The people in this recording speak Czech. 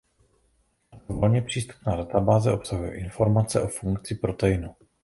Tato volně přístupná databáze obsahuje informace o funkci proteinu.